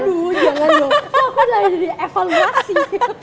aduh jangan dong aku udah jadi evaluasi